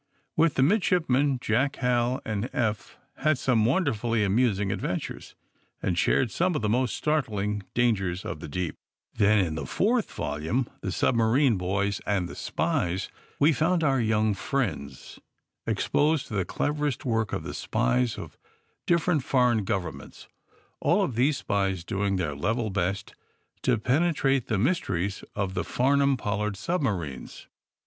With the midship men, Jack, Hal and Eph had some wonderfully amusing adventures and shared some of the most startling dangers of the deep. Then, in the fourth volume, The Submarine Boys and the Spies ^' we found our young friends exposed to the cleverest work of the spies of different foreign governments, all of these spies doing their level best to penetrate the mysteries of the Farnum Pollard subma rines.